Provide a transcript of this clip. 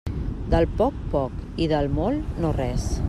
Del poc, poc, i del molt, no res.